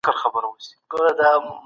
ژړا د ځان ساتنې یوه وسیله ده.